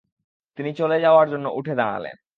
তিনি চলে যাওয়ার জন্য উঠে দাঁড়ালেন।